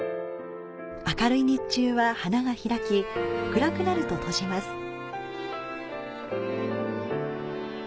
明るい日中は花が開き、暗くなると閉じます。